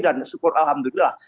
dan syukur alhamdulillah